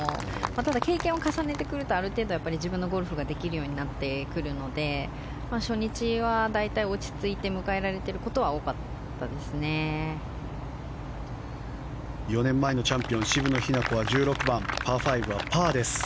ただ、経験を重ねてくるとある程度、自分のゴルフができるようになってくるので初日は、大体落ち着いて迎えられていることが４年前のチャンピオン渋野日向子１６番のパー５はパーです。